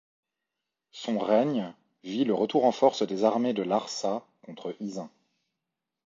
Son règne vit le retour en force des armées de Larsa contre Isin.